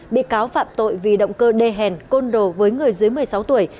bị cáo phạm tội vì động cơ đê hèn côn đồ với người dưới một mươi sáu tuổi